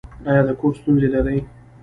ایا د کور ستونزې لرئ؟